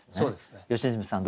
良純さん